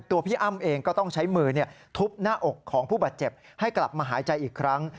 พี่อ้ำเองก็ต้องใช้มือทุบหน้าอกของผู้บาดเจ็บให้กลับมาหายใจอีกครั้ง